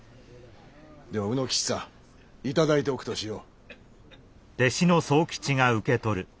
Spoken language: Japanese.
では卯之吉さん頂いておくとしよう。